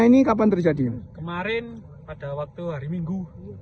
ini kapan terjadi kemarin pada waktu hari minggu